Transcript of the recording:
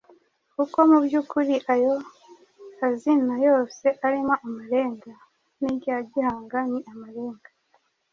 kuko mu by'ukuri ayo azina yose arimo amarenga. N'irya Gihanga ni amarenga,